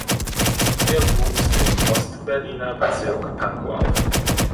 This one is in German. Er wuchs im Ost-Berliner Bezirk Pankow auf.